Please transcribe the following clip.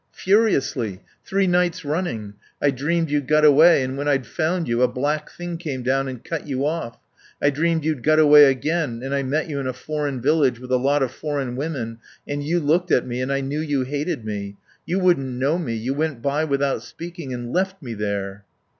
Furiously. Three nights running. I dreamed you'd got away and when I'd found you a black thing came down and cut you off. I dreamed you'd got away again, and I met you in a foreign village with a lot of foreign women, and you looked at me and I knew you hated me. You wouldn't know me. You went by without speaking and left me there."